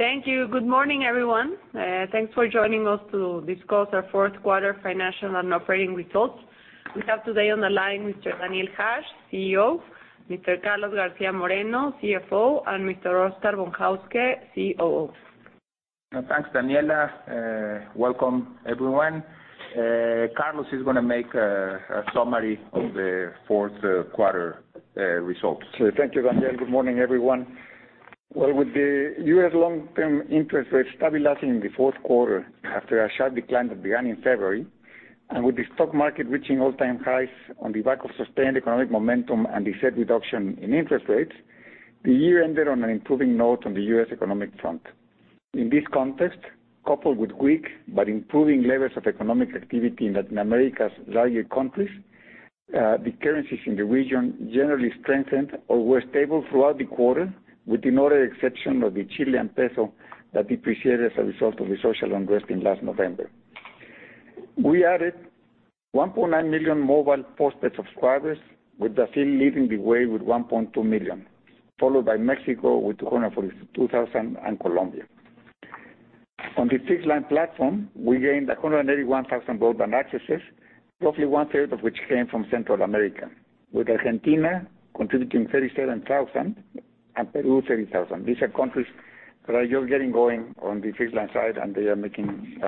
Thank you. Good morning, everyone. Thanks for joining us to discuss our fourth quarter financial and operating results. We have today on the line Mr. Daniel Hajj, CEO, Mr. Carlos García Moreno, CFO, and Mr. Óscar Von Hauske, COO. Thanks, Daniela. Welcome everyone. Carlos is going to make a summary of the fourth quarter results. Thank you, Daniel. Well, with the U.S. long-term interest rate stabilizing in the fourth quarter after a sharp decline that began in February, and with the stock market reaching all-time highs on the back of sustained economic momentum and the Fed reduction in interest rates, the year ended on an improving note on the U.S. economic front. In this context, coupled with weak but improving levels of economic activity in Latin America's larger countries, the currencies in the region generally strengthened or were stable throughout the quarter, with the notable exception of the Chilean peso that depreciated as a result of the social unrest in last November. We added 1.9 million mobile postpaid subscribers, with Brazil leading the way with 1.2 million, followed by Mexico with 242,000 and Colombia. On the fixed line platform, we gained 181,000 broadband accesses, roughly one-third of which came from Central America, with Argentina contributing 37,000 and Peru 30,000. These are countries that are just getting going on the fixed line side, they are making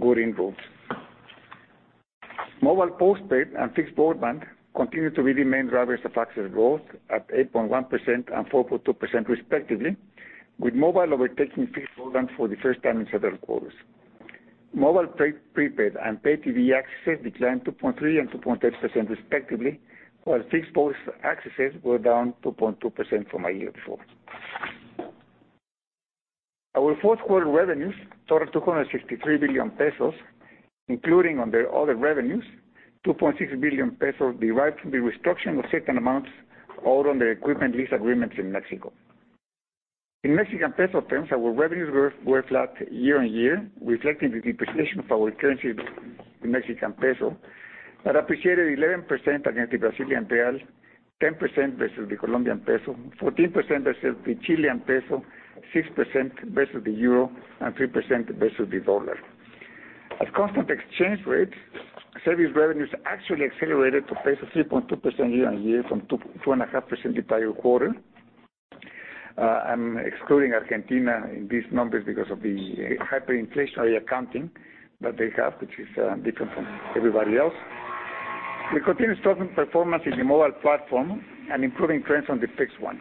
good inroads. Mobile postpaid and fixed broadband continue to be the main drivers of access growth at 8.1% and 4.2% respectively, with mobile overtaking fixed broadband for the first time in several quarters. Mobile prepaid and pay TV accesses declined 2.3% and 2.8% respectively, while fixed post accesses were down 2.2% from a year before. Our fourth quarter revenues totaled 263 billion pesos, including under other revenues, 2.6 billion pesos derived from the restructuring of certain amounts owed under equipment lease agreements in Mexico. In Mexican peso terms, our revenues were flat year-on-year, reflecting the depreciation of our currency, the Mexican peso, that appreciated 11% against the Brazilian real, 10% versus the Colombian peso, 14% versus the Chilean peso, 6% versus the euro, and 3% versus the U.S. dollar. At constant exchange rates, service revenues actually accelerated to pace of 3.2% year-on-year from 2.5% the prior quarter. I'm excluding Argentina in these numbers because of the hyperinflationary accounting that they have, which is different from everybody else. We continue strong performance in the mobile platform and improving trends on the fixed one.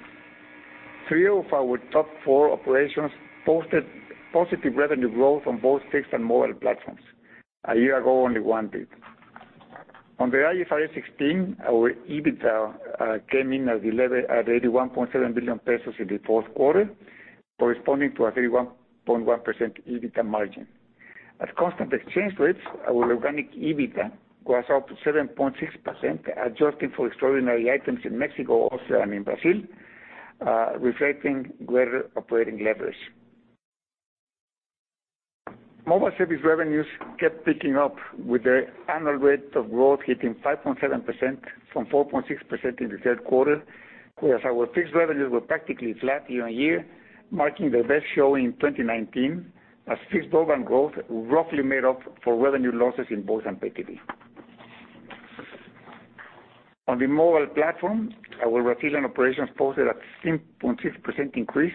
three of our top four operations posted positive revenue growth on both fixed and mobile platforms. A year ago, only one did. On the IFRS 16, our EBITDA came in at 81.7 billion pesos in the fourth quarter, corresponding to a 31.1% EBITDA margin. At constant exchange rates, our organic EBITDA was up 7.6%, adjusting for extraordinary items in Mexico, Austria, and in Brazil, reflecting greater operating leverage. Mobile service revenues kept picking up with the annual rate of growth hitting 5.7% from 4.6% in the third quarter, whereas our fixed revenues were practically flat year-on-year, marking their best show in 2019 as fixed broadband growth roughly made up for revenue losses in voice and pay TV. On the mobile platform, our Brazilian operations posted a 6.6% increase,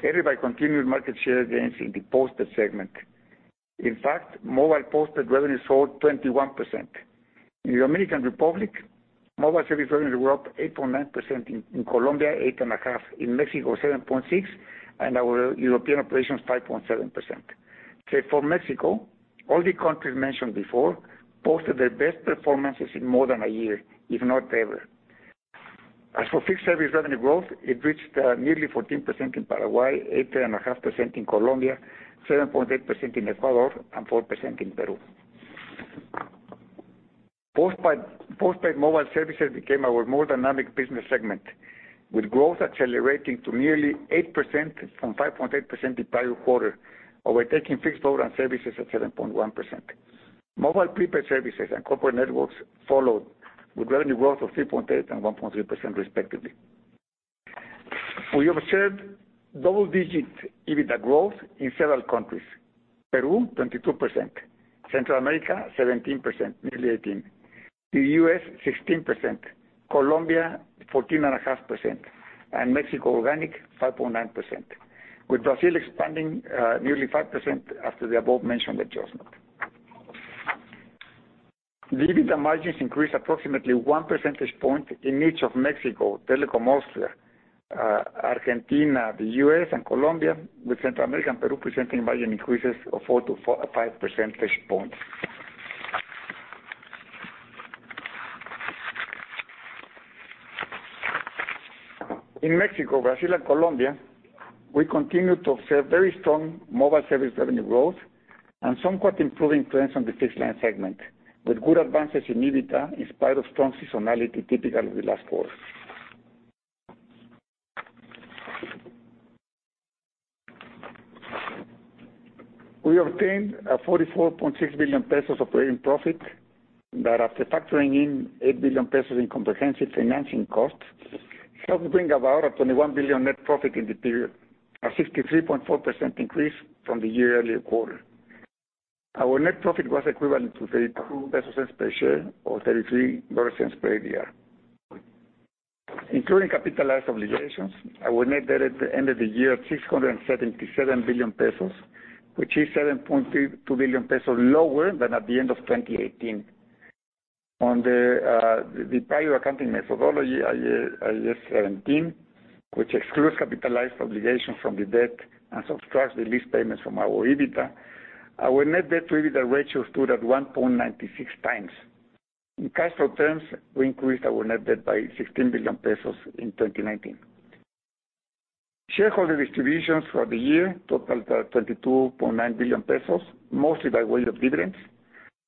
driven by continued market share gains in the postpaid segment. In fact, mobile postpaid revenues soared 21%. In the Dominican Republic, mobile service revenues were up 8.9%, in Colombia, 8.5%, in Mexico, 7.6%, and our European operations, 5.7%. Say, for Mexico, all the countries mentioned before posted their best performances in more than a year, if not ever. As for fixed service revenue growth, it reached 14% in Paraguay, 8.5% in Colombia, 7.8% in Ecuador, and 4% in Peru. Postpaid mobile services became our more dynamic business segment, with growth accelerating to 8% from 5.8% the prior quarter, overtaking fixed broadband services at 7.1%. Mobile prepaid services and corporate networks followed with revenue growth of 3.8% and 1.3% respectively. We observed double-digit EBITDA growth in several countries. Peru, 22%, Central America, 17%, 18%, the U.S., 16%, Colombia, 14.5%, and Mexico organic, 5.9%, with Brazil expanding 5% after the above-mentioned adjustment. The EBITDA margins increased approximately one percentage point in each of Mexico, Telekom Austria, Argentina, the U.S., and Colombia, with Central America and Peru presenting margin increases of four to five percentage points. In Mexico, Brazil, and Colombia, we continue to observe very strong mobile service revenue growth and somewhat improving trends on the fixed line segment with good advances in EBITDA in spite of strong seasonality typical of the last quarter. We obtained 44.6 billion pesos of earning profit that after factoring in 8 billion pesos in comprehensive financing costs, helped bring about a 21 billion net profit in the period, a 63.4% increase from the year earlier quarter. Our net profit was equivalent to 0.32 per share, or $0.33 per ADR. Including capitalized obligations, our net debt at the end of the year, 677 billion pesos, which is 7.32 billion pesos lower than at the end of 2018. On the prior accounting methodology, IAS 17, which excludes capitalized obligations from the debt and subtracts the lease payments from our EBITDA, our net debt to EBITDA ratio stood at 1.96 times. In cash flow terms, we increased our net debt by 16 billion pesos in 2019. Shareholder distributions for the year totaled 22.9 billion pesos, mostly by way of dividends,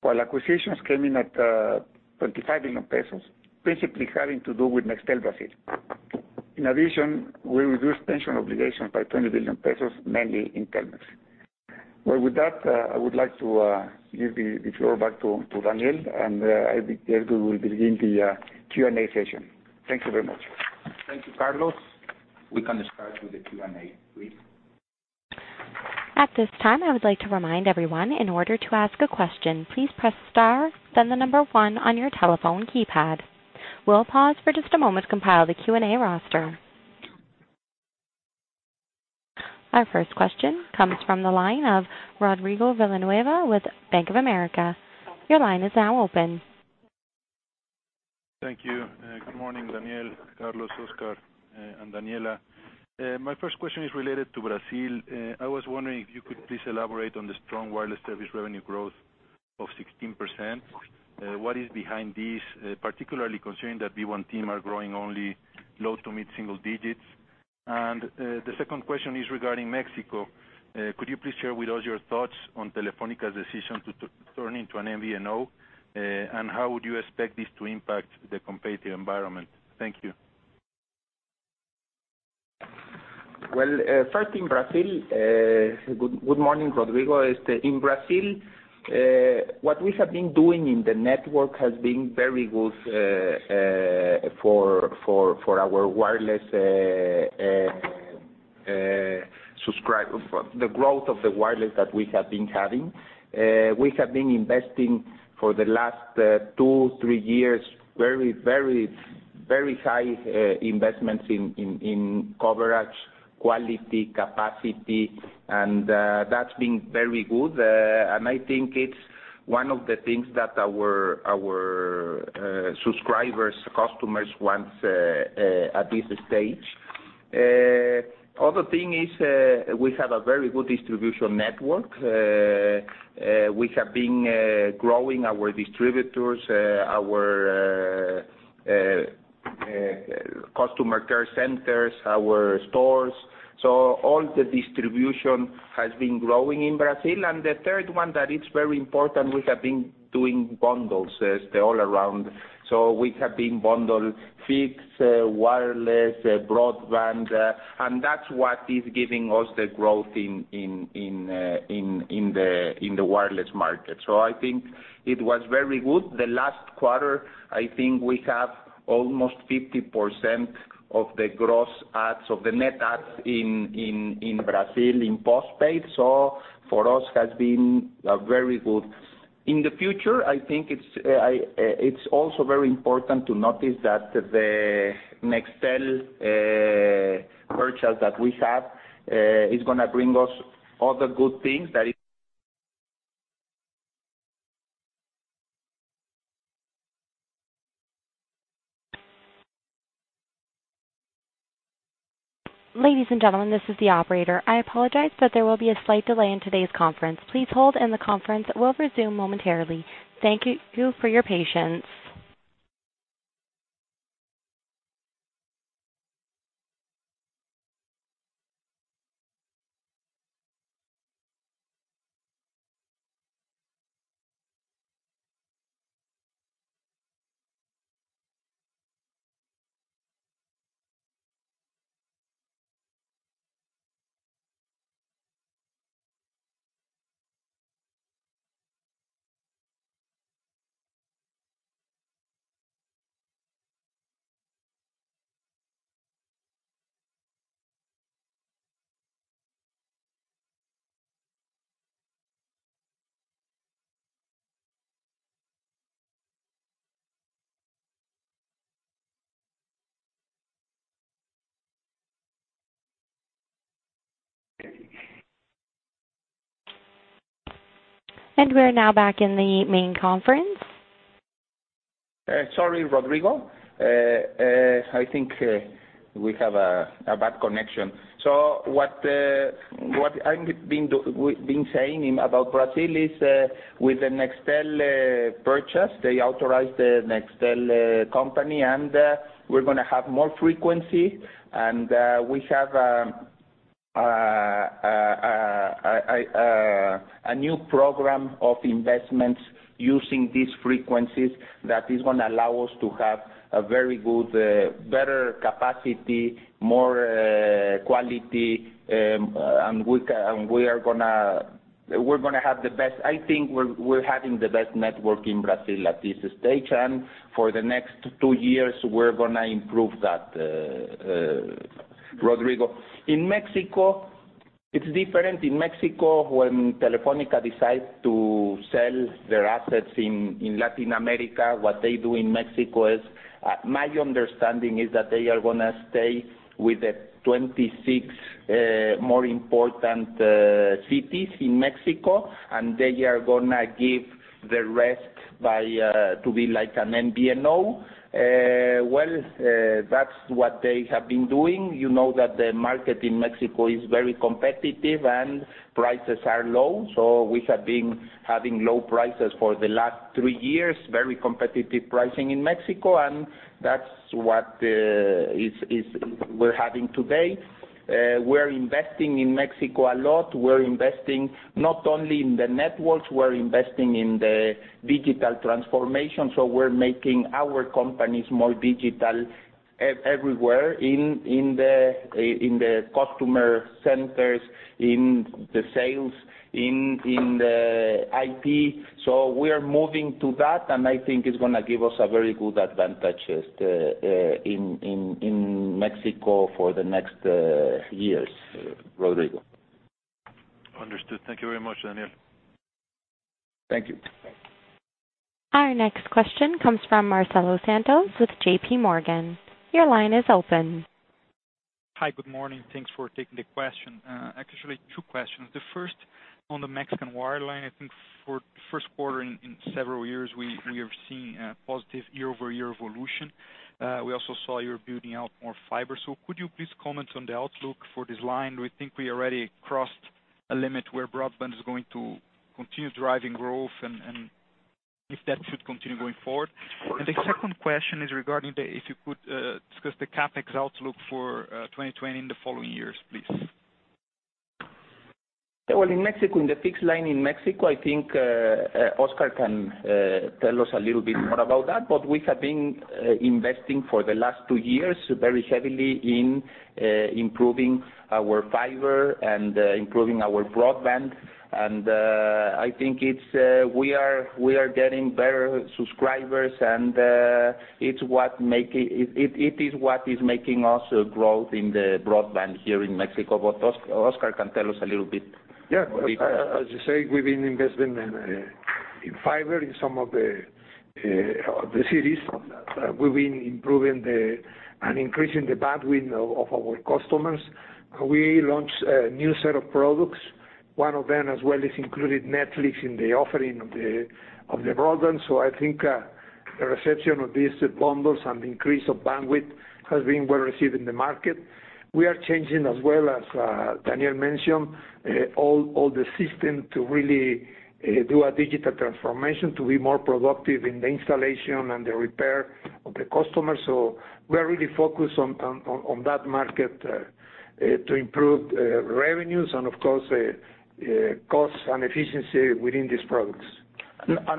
while acquisitions came in at 25 billion pesos, basically having to do with Nextel Brazil. In addition, we reduced pension obligations by 20 billion pesos, mainly in Telmex. With that, I would like to give the floor back to Daniel, and I think they will begin the Q&A session. Thank you very much. Thank you, Carlos. We can start with the Q&A please. At this time, I would like to remind everyone, in order to ask a question, please press star, then the number one on your telephone keypad. We will pause for just a moment to compile the Q&A roster. Our first question comes from the line of Rodrigo Villanueva with Bank of America. Your line is now open. Thank you. Good morning, Daniel, Carlos, Óscar, and Daniela. My first question is related to Brazil. I was wondering if you could please elaborate on the strong wireless service revenue growth of 16%. What is behind this, particularly considering that Vivo are growing only low to mid single digits? The second question is regarding Mexico. Could you please share with us your thoughts on Telefónica's decision to turn into an MVNO? How would you expect this to impact the competitive environment? Thank you. Well, first in Brazil. Good morning, Rodrigo. In Brazil, what we have been doing in the network has been very good for the growth of the wireless that we have been having. We have been investing for the last two, three years, very high investments in coverage, quality, capacity, that's been very good. I think it's one of the things that our subscribers, customers want at this stage. Other thing is, we have a very good distribution network. We have been growing our distributors, our customer care centers, our stores. All the distribution has been growing in Brazil. The third one that is very important, we have been doing bundles all around. We have been bundle fixed, wireless, broadband, that's what is giving us the growth in the wireless market. I think it was very good. The last quarter, I think we have almost 50% of the gross adds of the net adds in Brazil in postpaid. For us has been very good. In the future, I think it's also very important to notice that the Nextel purchase that we have is going to bring us other good things. Ladies and gentlemen, this is the operator. I apologize, there will be a slight delay in today's conference. Please hold, and the conference will resume momentarily. Thank you for your patience. We're now back in the main conference. Sorry, Rodrigo. I think we have a bad connection. What I've been saying about Brazil is, with the Nextel purchase, they authorized the Nextel company, and we're going to have more frequency, and we have a new program of investments using these frequencies that is going to allow us to have a very good, better capacity, more quality, and we're going to have the best network in Brazil at this stage, and for the next two years, we're going to improve that, Rodrigo. In Mexico, it's different. In Mexico, when Telefónica decides to sell their assets in Latin America, what they do in Mexico is, my understanding is that they are going to stay with the 26 more important cities in Mexico, and they are going to give the rest to be like an MVNO. That's what they have been doing. You know that the market in Mexico is very competitive and prices are low. We have been having low prices for the last three years, very competitive pricing in Mexico, and that's what we're having today. We're investing in Mexico a lot. We're investing not only in the networks, we're investing in the digital transformation. We're making our companies more digital everywhere in the customer centers, in the sales, in the IT. We are moving to that, and I think it's going to give us a very good advantage in Mexico for the next years, Rodrigo. Understood. Thank you very much, Daniel. Thank you. Our next question comes from Marcelo Santos with J.P. Morgan. Your line is open. Hi. Good morning. Thanks for taking the question. Actually, two questions. The first on the Mexican wireline, I think for the first quarter in several years, we have seen a positive year-over-year evolution. We also saw you're building out more fiber. Could you please comment on the outlook for this line? Do you think we already crossed a limit where broadband is going to continue driving growth, and if that should continue going forward? Sure. The second question is regarding the, if you could, discuss the CapEx outlook for 2020 in the following years, please. In Mexico, in the fixed line in Mexico, I think Óscar can tell us a little bit more about that. We have been investing for the last two years very heavily in improving our fiber and improving our broadband. I think we are getting better subscribers, and it is what is making us grow in the broadband here in Mexico. Óscar can tell us a little bit. As you say, we've been investing in fiber in some of the cities. We've been improving and increasing the bandwidth of our customers. We launched a new set of products. One of them as well has included Netflix in the offering of the broadband. I think the reception of these bundles and the increase of bandwidth has been well-received in the market. We are changing as well, as Daniel mentioned, all the systems to really do a digital transformation to be more productive in the installation and the repair of the customer. We are really focused on that market, to improve revenues and of course, cost and efficiency within these products.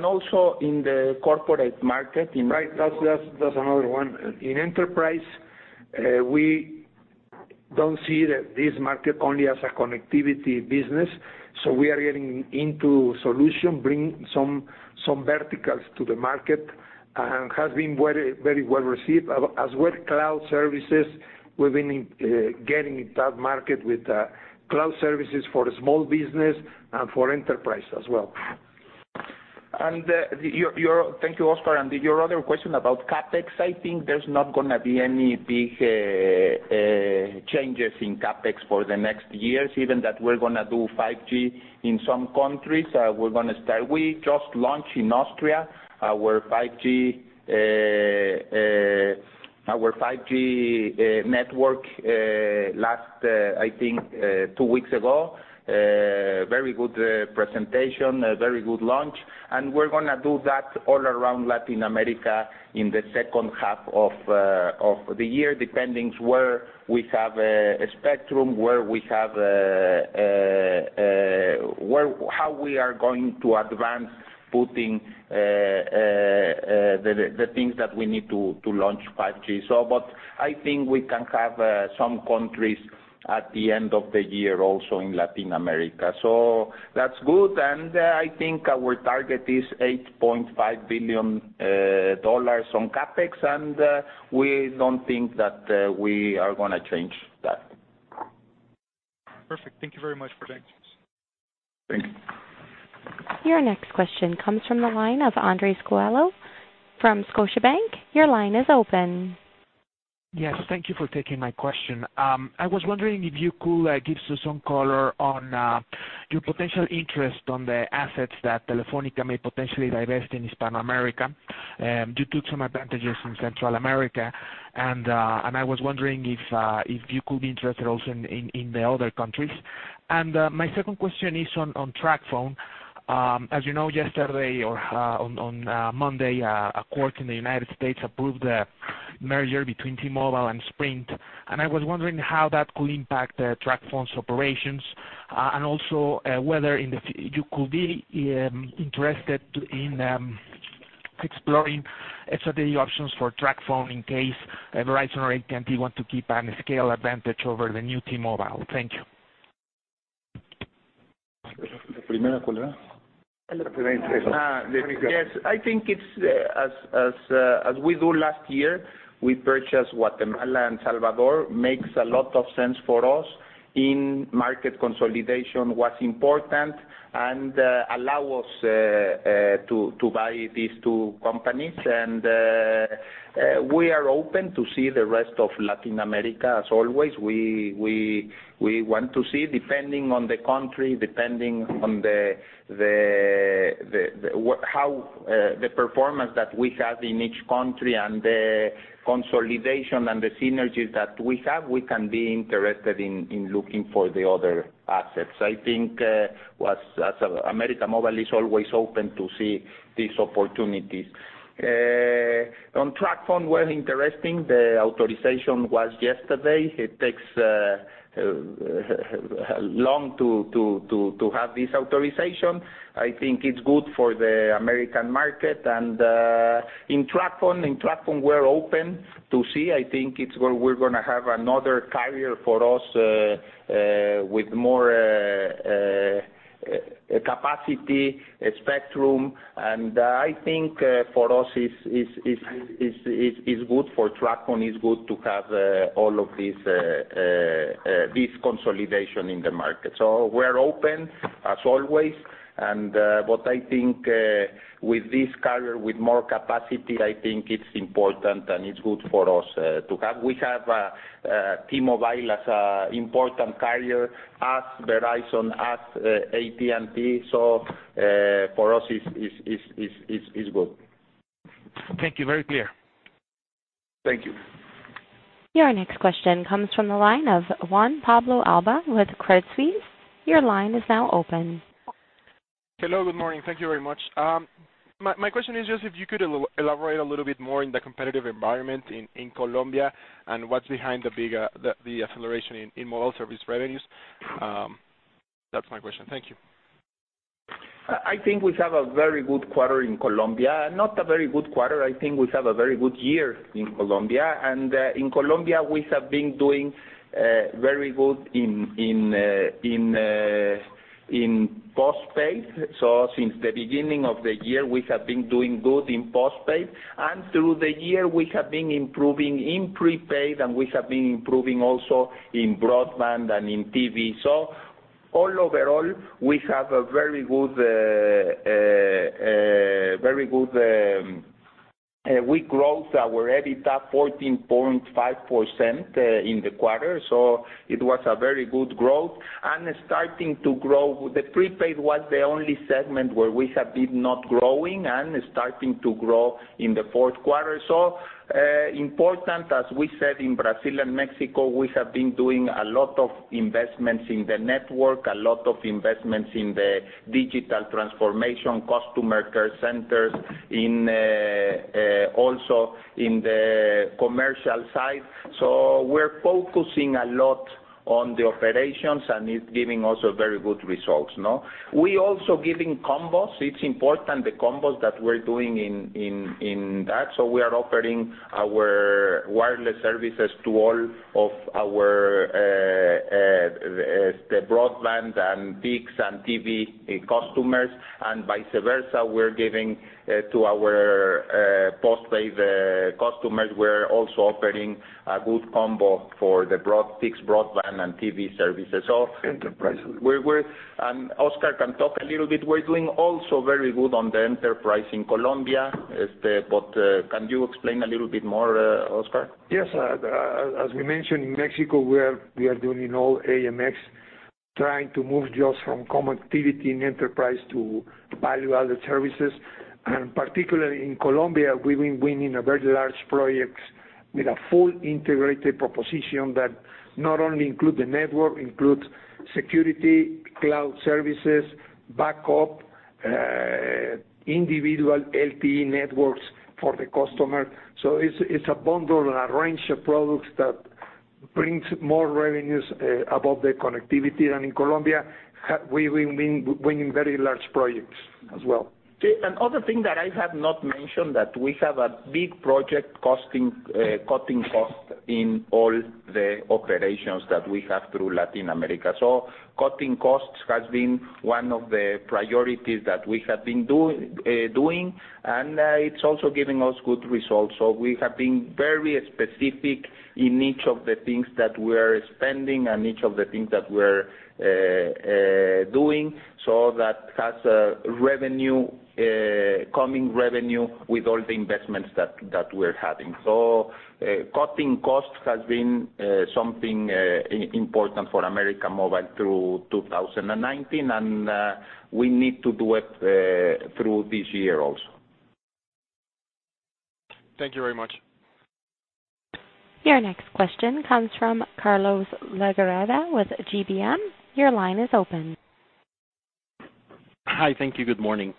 Also in the corporate market. Right. That's another one. In enterprise, we don't see this market only as a connectivity business. We are getting into solution, bringing some verticals to the market, and has been very well-received. Cloud services. We've been getting into that market with cloud services for small business and for enterprise as well. Thank you, Óscar. Your other question about CapEx, I think there's not going to be any big changes in CapEx for the next years, given that we're going to do 5G in some countries. We're going to start. We just launched in Austria our 5G network last, I think, two weeks ago. Very good presentation, very good launch. We're going to do that all around Latin America in the second half of the year, depending where we have a spectrum, how we are going to advance putting the things that we need to launch 5G. I think we can have some countries at the end of the year also in Latin America. That's good. I think our target is MXN 8.5 billion on CapEx, and we don't think that we are going to change that. Perfect. Thank you very much for the answers. Thank you. Your next question comes from the line of Andres Coello from Scotiabank. Your line is open. Yes. Thank you for taking my question. I was wondering if you could give us some color on your potential interest on the assets that Telefónica may potentially divest in Hispanoamérica. You took some advantages in Central America, and I was wondering if you could be interested also in the other countries. My second question is on TracFone. As you know, yesterday or on Monday, a court in the United States approved the merger between T-Mobile and Sprint, and I was wondering how that could impact TracFone's operations, and also whether you could be interested in exploring strategy options for TracFone in case Verizon or AT&T want to keep a scale advantage over the new T-Mobile. Thank you. Yes, I think as we do last year, we purchased Guatemala and El Salvador. Makes a lot of sense for us. Market consolidation was important and allow us to buy these two companies. We are open to see the rest of Latin America as always. We want to see, depending on the country, depending on the performance that we have in each country, and the consolidation and the synergies that we have, we can be interested in looking for the other assets. I think as América Móvil is always open to see these opportunities. On TracFone, we're interesting. The authorization was yesterday. It takes long to have this authorization. I think it's good for the U.S. market. In TracFone, we're open to see. I think we're going to have another carrier for us, with more capacity, spectrum, and I think for us, it's good for TracFone. It's good to have all of this consolidation in the market. We're open as always, and what I think with this carrier, with more capacity, I think it's important and it's good for us to have. We have T-Mobile as an important carrier, as Verizon, as AT&T, so for us, it's good. Thank you. Very clear. Thank you. Your next question comes from the line of Juan Pablo Alba with Credit Suisse. Your line is now open. Hello. Good morning. Thank you very much. My question is just if you could elaborate a little bit more in the competitive environment in Colombia and what's behind the acceleration in mobile service revenues. That's my question. Thank you. I think we have a very good quarter in Colombia, not a very good quarter. I think we have a very good year in Colombia. In Colombia, we have been doing very good in postpaid. Since the beginning of the year, we have been doing good in postpaid. Through the year, we have been improving in prepaid, and we have been improving also in broadband and in TV. All overall, we have a very good growth. Our EBITDA, 14.5% in the quarter. It was a very good growth and starting to grow. The prepaid was the only segment where we have been not growing and starting to grow in the fourth quarter. Important, as we said in Brazil and Mexico, we have been doing a lot of investments in the network, a lot of investments in the digital transformation, customer care centers, also in the commercial side. We're focusing a lot on the operations, and it's giving us very good results now. We're also giving combos. It's important the combos that we're doing in that. We are offering our wireless services to all of our broadband and fixed and TV customers. Vice versa, we're giving to our postpaid customers. We're also offering a good combo for the fixed broadband and TV services. Enterprise. Óscar can talk a little bit. We're doing also very good on the enterprise in Colombia. Can you explain a little bit more, Óscar? Yes. As we mentioned in Mexico, we are doing all AMX trying to move just from connectivity in enterprise to value-added services. Particularly in Colombia, we've been winning very large projects with a fully integrated proposition that not only include the network, includes security, cloud services, backup, individual LTE networks for the customer. It's a bundle and a range of products that brings more revenues above the connectivity. In Colombia, we've been winning very large projects as well. Another thing that I have not mentioned, that we have a big project cutting costs in all the operations that we have through Latin America. Cutting costs has been one of the priorities that we have been doing, and it's also giving us good results. We have been very specific in each of the things that we're spending and each of the things that we're doing. That has a coming revenue with all the investments that we're having. Cutting costs has been something important for América Móvil through 2019, and we need to do it through this year also. Thank you very much. Your next question comes from Carlos de Legarreta with GBM. Your line is open. Hi. Thank you. Good morning.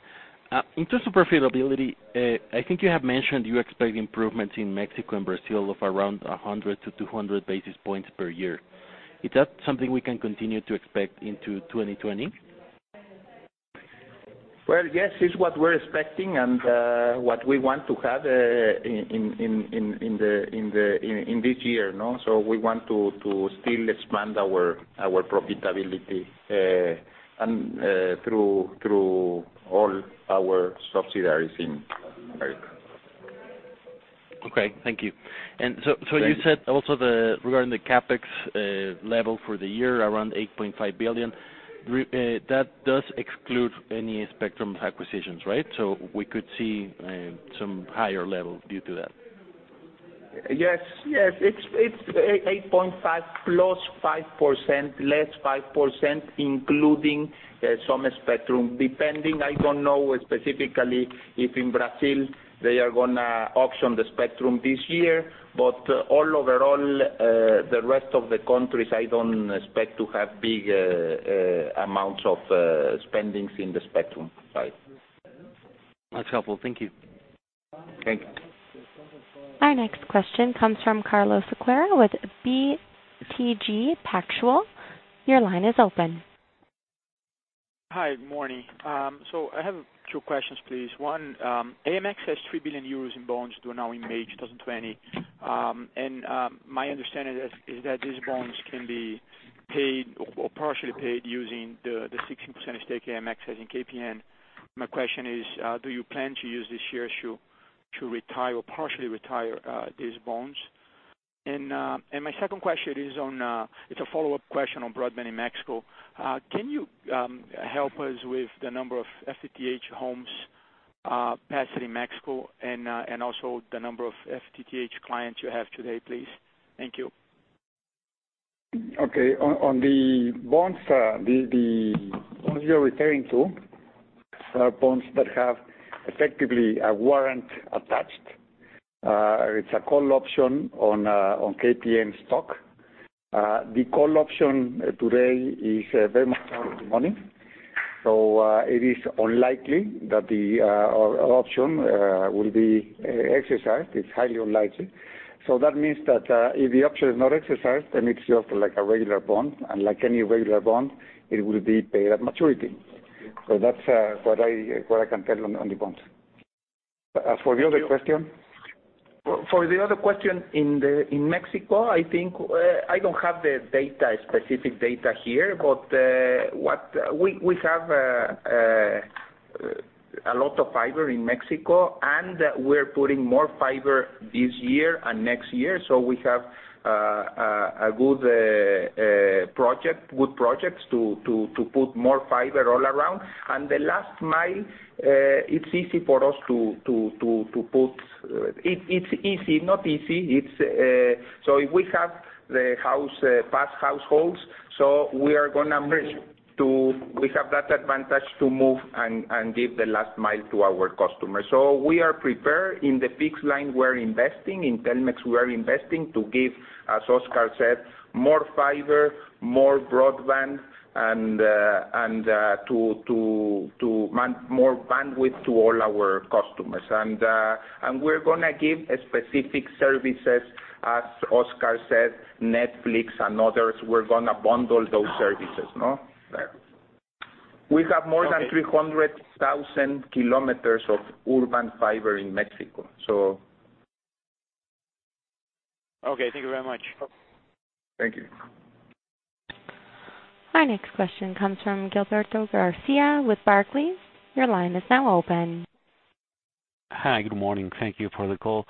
In terms of profitability, I think you have mentioned you expect improvements in Mexico and Brazil of around 100 basis points-200 basis points per year. Is that something we can continue to expect into 2020? Well, yes, it's what we're expecting and what we want to have in this year. We want to still expand our profitability through all our subsidiaries in America. Okay, thank you. Thank you. You said also regarding the CapEx level for the year, around 8.5 billion. That does exclude any spectrum acquisitions, right? We could see some higher level due to that. Yes. It's 8.5 plus 5%, less 5%, including some spectrum, depending. I don't know specifically if in Brazil they are going to auction the spectrum this year, but all overall, the rest of the countries, I don't expect to have big amounts of spendings in the spectrum side. That's helpful. Thank you. Thank you. Our next question comes from Carlos Sequeira with BTG Pactual. Your line is open. Hi. Good morning. I have two questions, please. One, AMX has €3 billion in bonds due now in May 2020. My understanding is that these bonds can be paid or partially paid using the 16% stake AMX has in KPN. My question is, do you plan to use this year to retire or partially retire these bonds? My second question, it's a follow-up question on broadband in Mexico. Can you help us with the number of FTTH homes passed in Mexico and also the number of FTTH clients you have today, please? Thank you. Okay. On the bonds you're referring to, are bonds that have effectively a warrant attached. It's a call option on KPN stock. The call option today is very much out of the money. It is unlikely that the option will be exercised. It's highly unlikely. That means that if the option is not exercised, then it's just like a regular bond, and like any regular bond, it will be paid at maturity. That's what I can tell on the bonds. As for the other question? For the other question, in Mexico, I don't have the specific data here. We have a lot of fiber in Mexico, and we're putting more fiber this year and next year. We have good projects to put more fiber all around. The last mile, it's easy for us to put. It's easy, not easy. If we have the passed households, so we have that advantage to move and give the last mile to our customers. We are prepared. In the fixed line, we're investing. In Telmex, we are investing to give, as Óscar said, more fiber, more broadband, and more bandwidth to all our customers. We're going to give specific services, as Óscar said, Netflix and others, we're going to bundle those services. Right. We have more than 300,000 km of urban fiber in Mexico. Okay. Thank you very much. Thank you. Our next question comes from Gilberto Garcia with Barclays. Your line is now open. Hi. Good morning. Thank you for the call.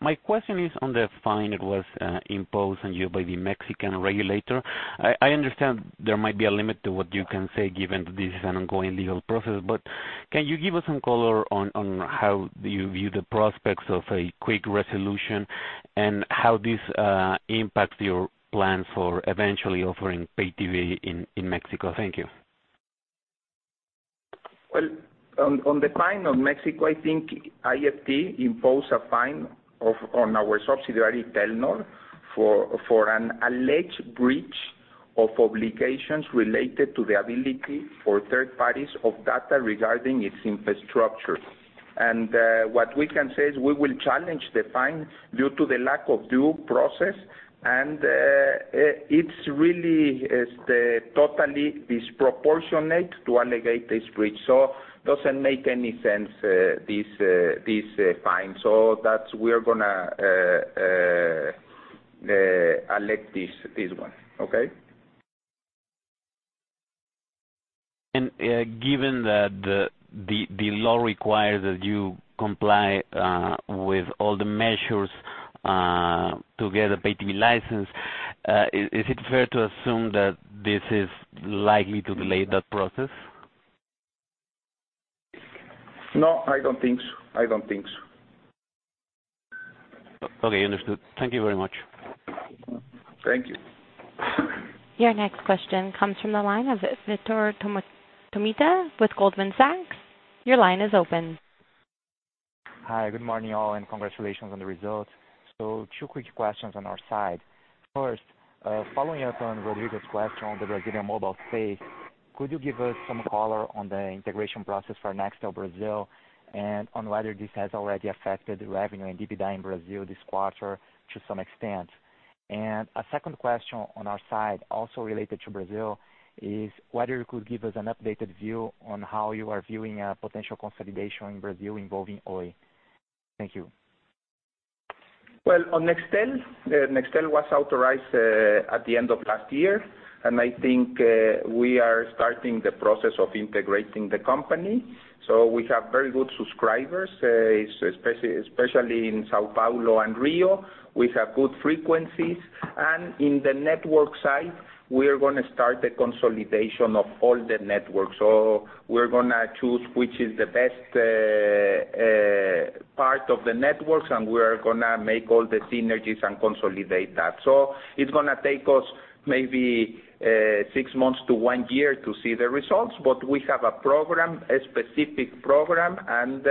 My question is on the fine that was imposed on you by the Mexican regulator. I understand there might be a limit to what you can say, given that this is an ongoing legal process. Can you give us some color on how you view the prospects of a quick resolution and how this impacts your plans for eventually offering pay TV in Mexico? Thank you. On the fine on Mexico, I think IFT imposed a fine on our subsidiary, Telnor, for an alleged breach of obligations related to the ability for third parties of data regarding its infrastructure. What we can say is we will challenge the fine due to the lack of due process, and it's really totally disproportionate to allocate this breach. Doesn't make any sense, this fine. We're going to elect this one. Okay? Given that the law requires that you comply with all the measures to get a pay TV license, is it fair to assume that this is likely to delay that process? No, I don't think so. Okay, understood. Thank you very much. Thank you. Your next question comes from the line of Vitor Tomita with Goldman Sachs. Your line is open. Hi. Good morning, all, and congratulations on the results. Two quick questions on our side. First, following up on Rodrigo's question on the Brazilian mobile space. Could you give us some color on the integration process for Nextel Brazil, and on whether this has already affected revenue and EBITDA in Brazil this quarter to some extent? A second question on our side, also related to Brazil, is whether you could give us an updated view on how you are viewing a potential consolidation in Brazil involving Oi. Thank you. On Nextel was authorized at the end of last year, and I think we are starting the process of integrating the company. We have very good subscribers, especially in São Paulo and Rio. We have good frequencies. In the network side, we're going to start the consolidation of all the networks. We're going to choose which is the best part of the networks, and we are going to make all the synergies and consolidate that. It's going to take us maybe six months to one year to see the results. We have a specific program, and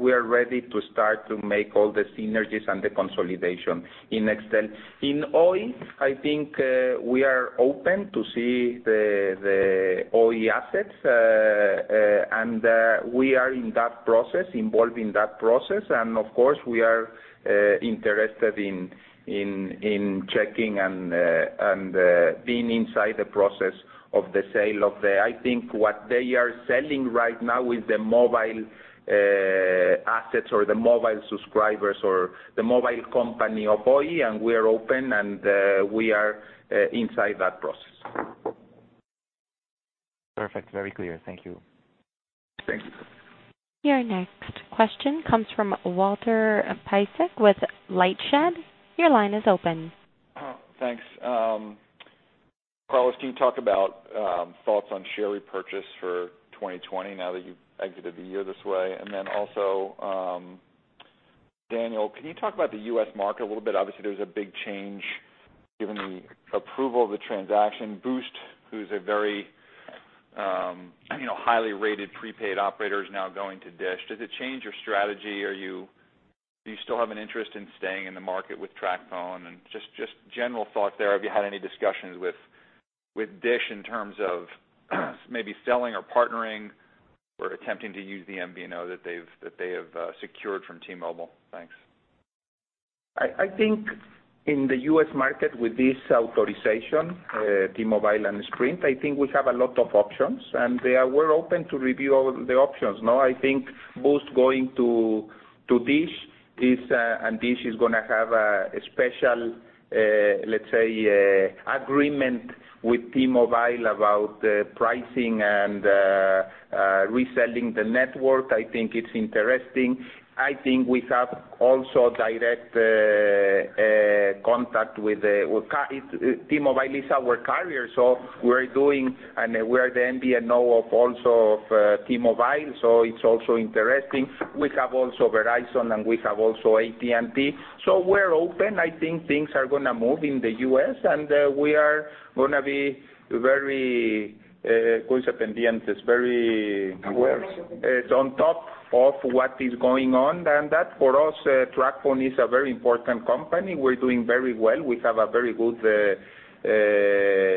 we are ready to start to make all the synergies and the consolidation in Nextel. In Oi, I think we are open to see the Oi assets. We are involved in that process, and of course, we are interested in checking and being inside the process of the sale of I think what they are selling right now is the mobile assets or the mobile subscribers or the mobile company of Oi, and we are open, and we are inside that process. Perfect. Very clear. Thank you. Thanks. Your next question comes from Walter Piecyk with LightShed Partners. Your line is open. Thanks. Carlos, can you talk about thoughts on share repurchase for 2020 now that you've exited the year this way? Daniel, can you talk about the U.S. market a little bit? Obviously, there was a big change given the approval of the transaction. Boost, who's a very highly rated prepaid operator, is now going to Dish. Does it change your strategy? Do you still have an interest in staying in the market with TracFone? Just general thought there. Have you had any discussions with Dish in terms of maybe selling or partnering or attempting to use the MVNO that they have secured from T-Mobile? Thanks. I think in the U.S. market with this authorization, T-Mobile and Sprint, I think we have a lot of options, and we're open to review all the options. Now, I think Boost going to Dish, and Dish is going to have a special, let's say, agreement with T-Mobile about pricing and reselling the network. I think it's interesting. I think we have also direct contact with T-Mobile is our carrier, so we're doing, and we're the MVNO also of T-Mobile, so it's also interesting. We have also Verizon, and we have also AT&T. We're open. I think things are going to move in the U.S., and we are going to be very very aware. On top of what is going on. That, for us, TracFone is a very important company. We're doing very well. We have a very good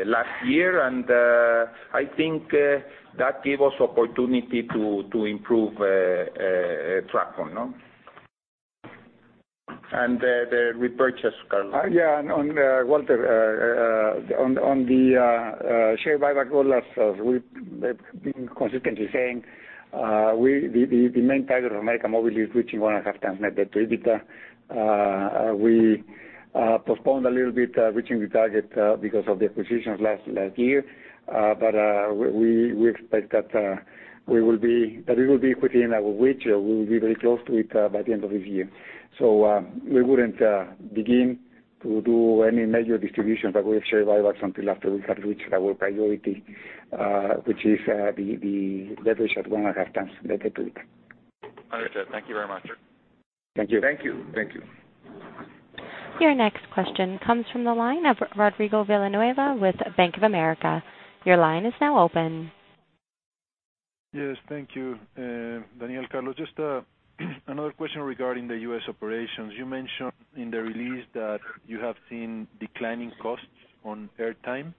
last year, and I think that gave us opportunity to improve Tracfone. The repurchase, Carlos. Yeah. Walter, on the share buyback goal, as we've been consistently saying, the main target of América Móvil is reaching 1.5 times net debt to EBITDA. We postponed a little bit reaching the target because of the acquisitions last year. We expect that it will be within our reach, or we will be very close to it by the end of this year. We wouldn't begin to do any major distributions, but we have share buybacks until after we have reached our priority, which is the leverage at 1.5 times net debt to EBITDA. Understood. Thank you very much. Thank you. Thank you. Thank you. Your next question comes from the line of Rodrigo Villanueva with Bank of America. Your line is now open. Yes. Thank you. Daniel, Carlos, just another question regarding the U.S. operations. You mentioned in the release that you have seen declining costs on air time,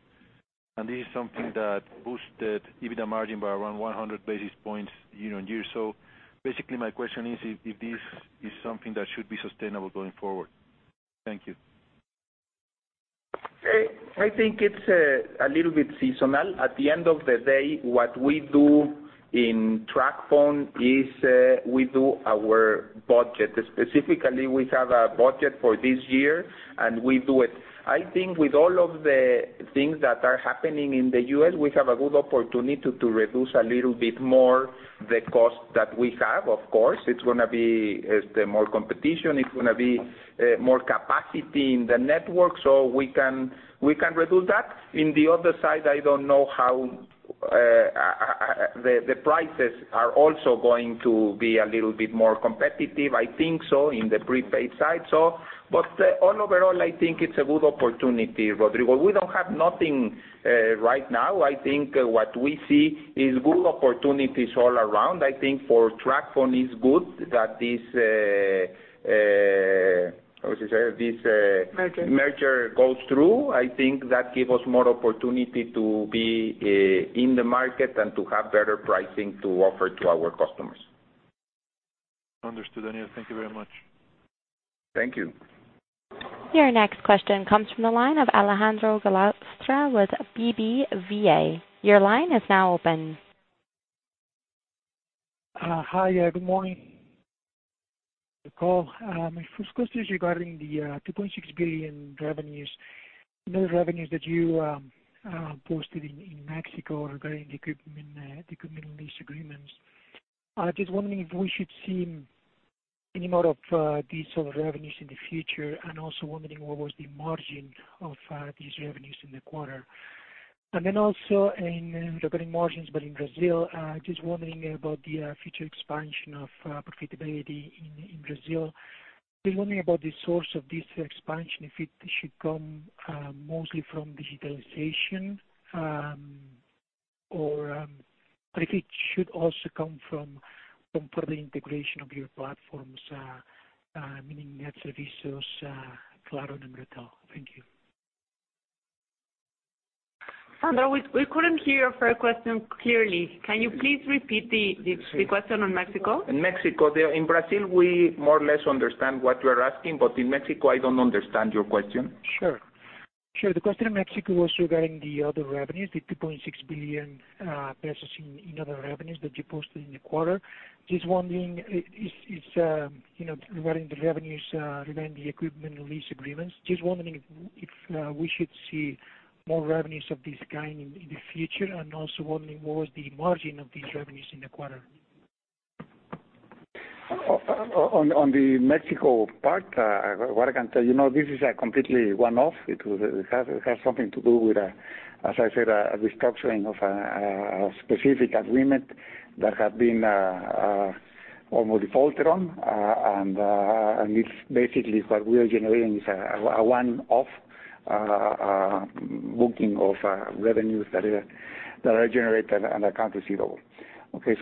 this is something that boosted EBITDA margin by around 100 basis points year-on-year. Basically, my question is if this is something that should be sustainable going forward. Thank you. I think it's a little bit seasonal. At the end of the day, what we do in TracFone is we do our budget. Specifically, we have a budget for this year, and we do it. I think with all of the things that are happening in the U.S., we have a good opportunity to reduce a little bit more the cost that we have. Of course, it's going to be more competition, it's going to be more capacity in the network, so we can reduce that. In the other side, I don't know how the prices are also going to be a little bit more competitive. I think so in the prepaid side. All overall, I think it's a good opportunity, Rodrigo. We don't have nothing right now. I think what we see is good opportunities all around. I think for TracFone, it's good that How should I say. Merger merger goes through, I think that give us more opportunity to be in the market and to have better pricing to offer to our customers. Understood. Daniel, thank you very much. Thank you. Your next question comes from the line of Alejandro Gallostra with BBVA. Your line is now open. Hi. Good morning. Call. My first question is regarding the 2.6 billion revenues. Those revenues that you posted in Mexico regarding the equipment lease agreements. Just wondering if we should see any more of these sort of revenues in the future, and also wondering what was the margin of these revenues in the quarter. Also regarding margins, but in Brazil, just wondering about the future expansion of profitability in Brazil. Just wondering about the source of this expansion, if it should come mostly from digitalization, or if it should also come from further integration of your platforms, meaning Net Serviços, Claro and Embratel. Thank you. Alejandro, we couldn't hear your first question clearly. Can you please repeat the question on Mexico? In Mexico. In Brazil, we more or less understand what you're asking, but in Mexico, I don't understand your question. Sure. Sure. The question in Mexico was regarding the other revenues, the 2.6 billion pesos in other revenues that you posted in the quarter. Just wondering regarding the revenues, regarding the equipment and lease agreements. Just wondering if we should see more revenues of this kind in the future. Also wondering what was the margin of these revenues in the quarter. On the Mexico part, what I can tell you, this is a completely one-off. It has something to do with, as I said, a restructuring of a specific agreement that had been almost defaulted on. It's basically what we are generating is a one-off booking of revenues that are generated and account receivable. Okay.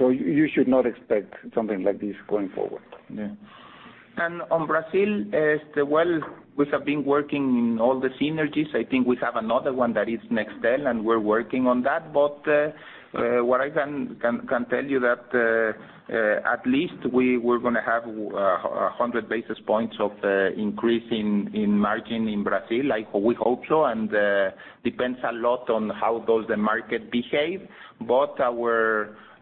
You should not expect something like this going forward. On Brazil, well, we have been working in all the synergies. I think we have another one that is Nextel, and we're working on that. What I can tell you that at least we were going to have 100 basis points of increase in margin in Brazil. We hope so, and depends a lot on how does the market behave.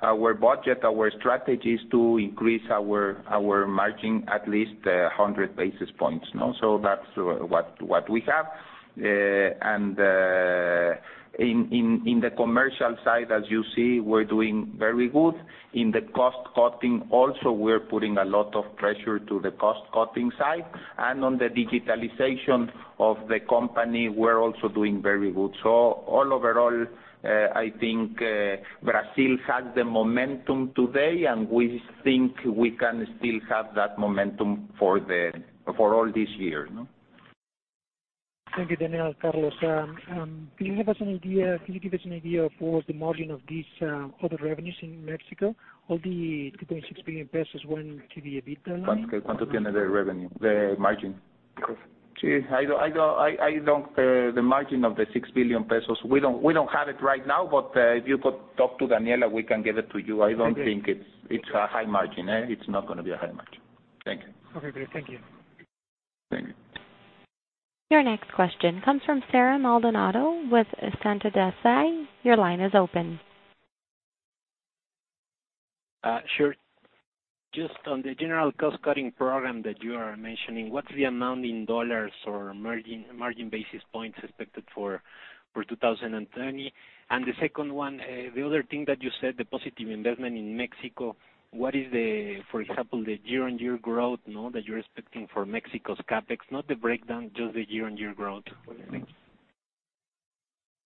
Our budget, our strategy is to increase our margin at least 100 basis points. That's what we have. In the commercial side, as you see, we're doing very good. In the cost-cutting also, we're putting a lot of pressure to the cost-cutting side. On the digitalization of the company, we're also doing very good. All overall, I think Brazil has the momentum today, and we think we can still have that momentum for all this year. Thank you, Daniel, Carlos. Can you give us an idea what was the margin of these other revenues in Mexico? All the 2.6 billion pesos went to the EBITDA line. revenue, the margin. Correct. The margin of the 6 billion pesos, we don't have it right now, but if you could talk to Daniela, we can give it to you. I don't think it's a high margin. It's not going to be a high margin. Thank you. Okay, great. Thank you. Thank you. Your next question comes from Sarah Maldonado with Centro Desai. Your line is open. Sure. Just on the general cost-cutting program that you are mentioning, what's the amount in dollars or margin basis points expected for 2020? The second one, the other thing that you said, the positive investment in Mexico, what is the, for example, the year-on-year growth that you're expecting for Mexico's CapEx? Not the breakdown, just the year-on-year growth.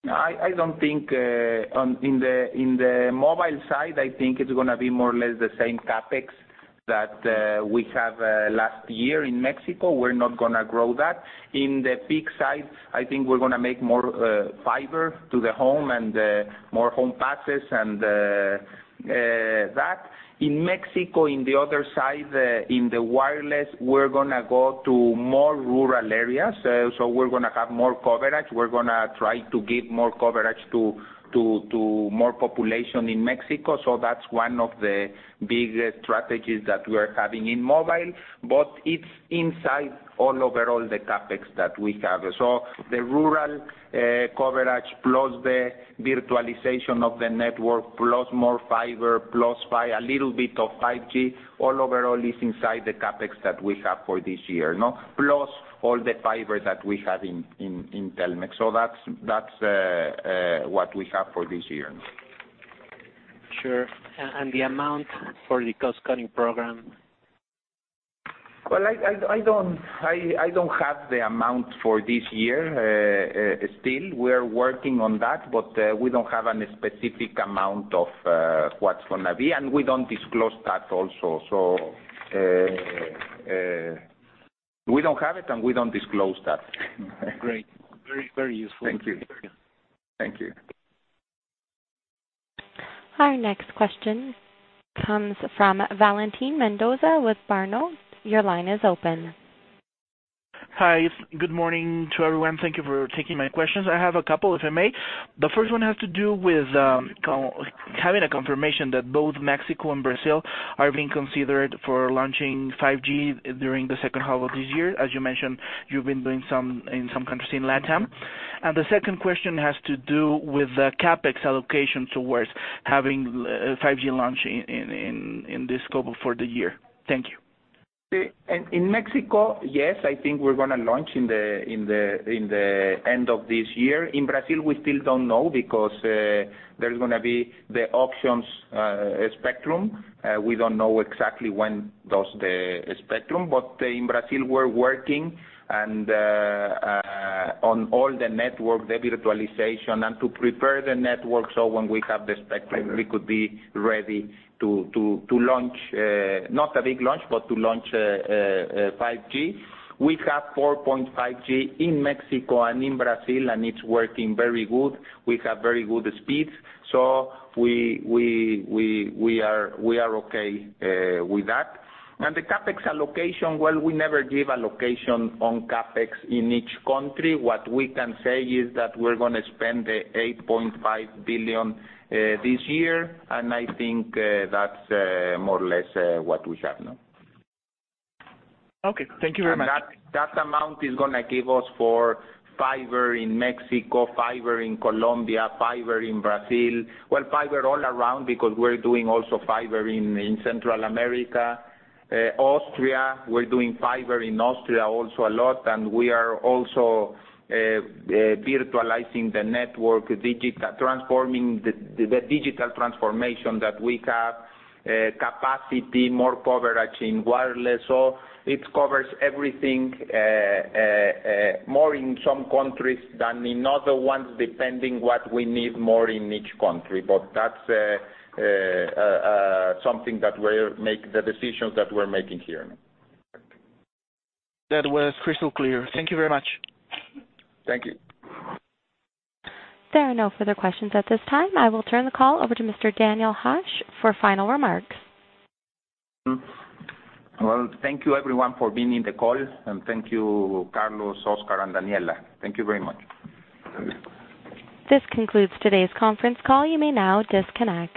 I don't think, in the mobile side, it's going to be more or less the same CapEx that we have last year in Mexico. We're not going to grow that. In the fixed side, I think we're going to make more fiber to the home and more home passes and that. In Mexico, in the other side, in the wireless, we're going to go to more rural areas. We're going to have more coverage. We're going to try to give more coverage to more population in Mexico. That's one of the big strategies that we're having in mobile. It's inside all overall the CapEx that we have. The rural coverage plus the virtualization of the network, plus more fiber, plus by a little bit of 5G, all overall is inside the CapEx that we have for this year. All the fiber that we have in Telmex. That's what we have for this year. Sure. The amount for the cost-cutting program? Well, I don't have the amount for this year. Still, we are working on that, but we don't have any specific amount of what's going to be, and we don't disclose that also. We don't have it, and we don't disclose that. Great. Very useful. Thank you. Thank you. Our next question comes from Valentín Mendoza with Banorte. Your line is open. Hi. Good morning to everyone. Thank you for taking my questions. I have a couple if I may. The first one has to do with having a confirmation that both Mexico and Brazil are being considered for launching 5G during the second half of this year. As you mentioned, you've been doing in some countries in LatAm. The second question has to do with the CapEx allocation towards having 5G launch in the scope of the year. Thank you. In Mexico, yes, I think we're going to launch in the end of this year. In Brazil, we still don't know because there's going to be the auction spectrum. We don't know exactly when the spectrum, but in Brazil, we're working on all the network, the virtualization, and to prepare the network so when we have the spectrum, we could be ready to launch, not a big launch, but to launch 5G. We have 4.5G in Mexico and in Brazil, and it's working very good. We have very good speeds. We are okay with that. The CapEx allocation, well, we never give allocation on CapEx in each country. What we can say is that we're going to spend 8.5 billion this year, and I think that's more or less what we have now. Okay. Thank you very much. That amount is going to give us for fiber in Mexico, fiber in Colombia, fiber in Brazil. Fiber all around because we're doing also fiber in Central America. Austria, we're doing fiber in Austria also a lot, and we are also virtualizing the network, the digital transformation that we have capacity, more coverage in wireless. It covers everything, more in some countries than in other ones, depending what we need more in each country. That's something that we're make the decisions that we're making here. That was crystal clear. Thank you very much. Thank you. There are no further questions at this time. I will turn the call over to Mr. Daniel Hajj for final remarks. Thank you everyone for being in the call, and thank you, Carlos, Óscar, and Daniela. Thank you very much. Thank you. This concludes today's conference call. You may now disconnect.